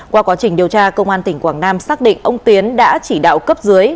qua quá trình điều tra công an tỉnh quảng nam xác định ông tiến đã chỉ đạo cấp dưới